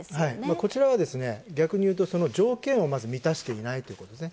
こちらは逆に言うと、条件をまず満たしていないということですね